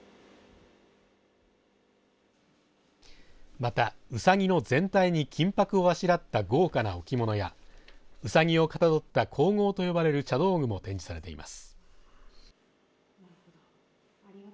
またうさぎの全体に金箔をあしらった豪華な置き物やうさぎをかたどった香合と呼ばれる茶道具も展示されています。